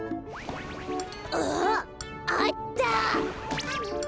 ああった。